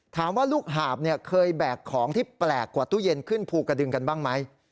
ลูกหาบเคยแบกของที่แปลกกว่าตู้เย็นขึ้นภูกระดึงกันบ้างไหม